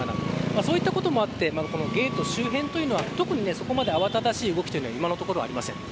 そういったこともあってゲート周辺は特に、そこまで慌ただしい動きは今のところ、ありません。